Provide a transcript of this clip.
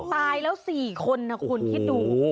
ตายแล้ว๔คนนะคุณคิดดู